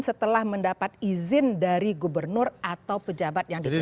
setelah mendapat izin dari gubernur atau pejabat yang dipilih